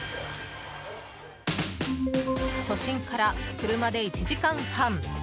都心から車で１時間半。